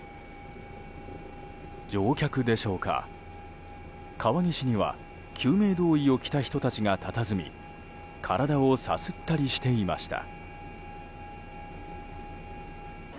乗客でしょうか、川岸には救命胴衣を着た人たちがたたずみ体をさすったりしていました。